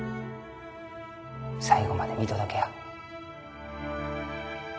最後まで見届けや。